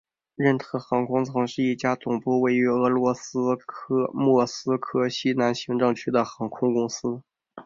任特航空曾是一家总部位于俄罗斯莫斯科西南行政区的航空公司。